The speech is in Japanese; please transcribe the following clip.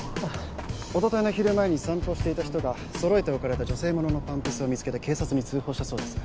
おとといの昼前に散歩していた人が揃えて置かれた女性物のパンプスを見つけて警察に通報したそうです。